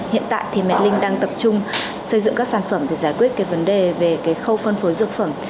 hiện tại thì medlink đang tập trung xây dựng các sản phẩm để giải quyết cái vấn đề về cái khâu phân phối dược phẩm